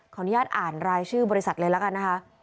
อนุญาตอ่านรายชื่อบริษัทเลยละกันนะคะ